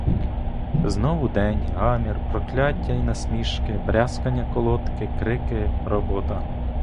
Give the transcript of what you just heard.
Знову день, гамір, прокляття й насмішки, брязкання колодки, крики, робота.